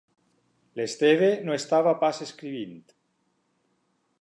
L'Esteve no estava pas escrivint.